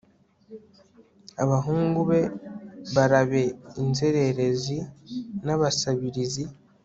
abahungu be barabe inzererezi n'abasabirizi